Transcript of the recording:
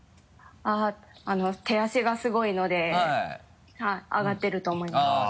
あの手汗がすごいので上がってると思います。